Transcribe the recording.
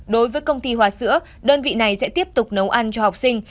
đối với công ty hòa sữa đơn vị này sẽ tiếp tục nấu ăn cho học sinh